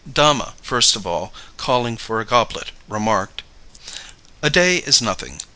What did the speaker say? Dama, first of all, calling for a goblet, remarked: "A day is nothing.